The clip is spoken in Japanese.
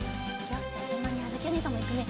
じゃあじゅんばんにあづきおねえさんもいくね。